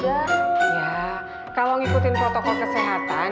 ya kalau ngikutin protokol kesehatan